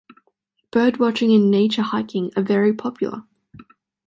Bird watching and nature hiking are very popular.